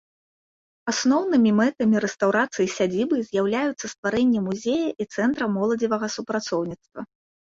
Асноўнымі мэтамі рэстаўрацыі сядзібы з'яўляюцца стварэнне музея і цэнтра моладзевага супрацоўніцтва.